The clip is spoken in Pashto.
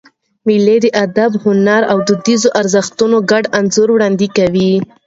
مېلې د ادب، هنر او دودیزو ارزښتونو ګډ انځور وړاندي کوي.